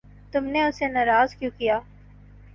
تم نے اسے ناراض کیوں کیا؟